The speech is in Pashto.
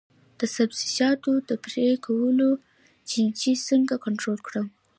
د سبزیجاتو د پرې کولو چینجي څنګه کنټرول کړم؟